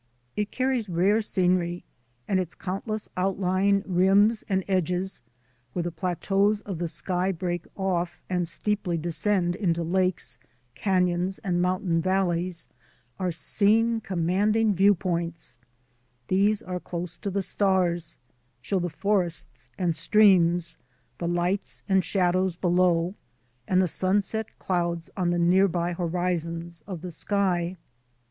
It carries rare scenery, and its countless outlying rims and edges, where the plateaus of the sky break off and steeply descend into lakes, canons, and mountain valleys, are scene commanding viewpoints; these are close to the stars, show the forests and streams, the lights and shadows below and the sunset clouds on the near by horizons of the sky.